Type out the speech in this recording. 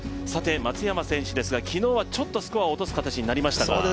松山選手ですが、昨日はちょっとスコアを落とす形になりましたが。